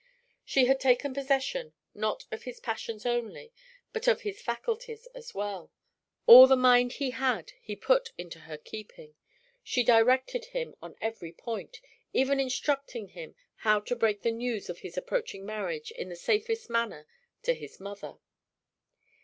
She had taken possession, not of his passions only, but of his faculties as well. All the mind he had he put into her keeping. She directed him on every point even instructing him how to break the news of his approaching marriage in the safest manner to his mother.